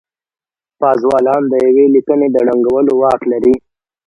پازوالان د يوې ليکنې د ړنګولو واک لري.